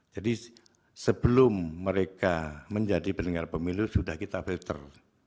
jadi sebelum mereka menjadi penenggara pemilu sudah kita filter